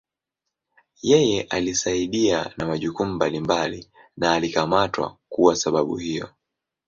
Yeye alisaidia na majukumu mbalimbali na alikamatwa kuwa sababu hiyo.